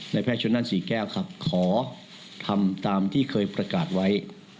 แพทย์ชนนั่นศรีแก้วครับขอทำตามที่เคยประกาศไว้